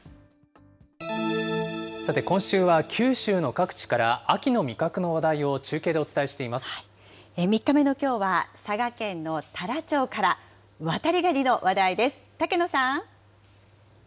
さて、今週は九州の各地から、秋の味覚の話題を中継でお伝えし３日目のきょうは、佐賀県の太良町から、ワタリガニの話題です。